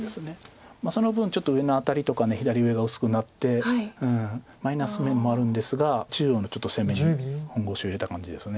その分ちょっと上のアタリとか左上が薄くなってマイナス面もあるんですが中央のちょっと攻めに本腰を入れた感じです。